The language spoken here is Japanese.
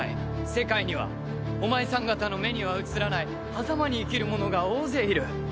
世界にはお前さん方の目には映らないはざまに生きる者が大勢いる。